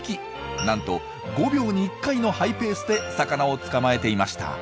なんと５秒に１回のハイペースで魚を捕まえていました。